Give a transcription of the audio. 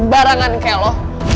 sembarangan kayak lo